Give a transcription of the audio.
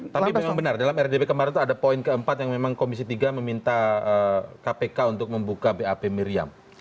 tapi memang benar dalam rdp kemarin itu ada poin keempat yang memang komisi tiga meminta kpk untuk membuka bap miriam